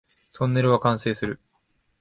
トンネルは完成する